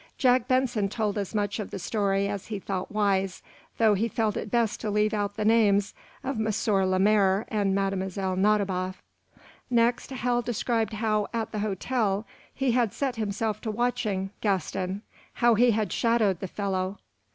Jack Benson told as much of the story as he thought wise, though he felt it best to leave out the names of M. Lemaire and Mlle. Nadiboff. Next Hal described how, at the hotel, he had set himself to watching Gaston; how he had shadowed the fellow.